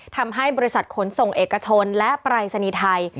ทำให้บริษัทขนส่งเอกชนและปรายศนีย์ไทย